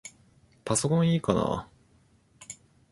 パソコンいいかな？